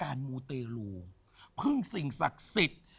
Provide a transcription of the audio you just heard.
มูเตรลูพึ่งสิ่งศักดิ์สิทธิ์